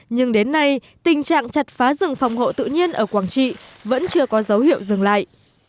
nhưng đến nay tình trạng chặt phá rừng phòng hộ tự nhiên ở quảng trị vẫn chưa có dấu hiệu dừng lại